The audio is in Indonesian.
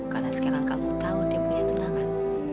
karena sekarang kamu tau dia punya tulangan